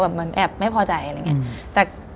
เหมือนแอบไม่พอใจอะไรอย่างนี้